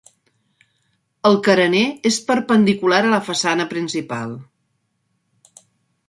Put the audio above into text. El carener és perpendicular a la façana principal.